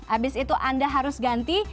abis itu anda harus ganti